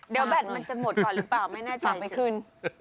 เดี๋ยวแบตมันจะหมดก่อนหรือเปล่าไม่น่าใช่ฟังไปคืน